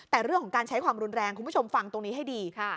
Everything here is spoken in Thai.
แต่เรื่องของการใช้ความรุนแรงคุณผู้ชมฟังตรงนี้ให้ดี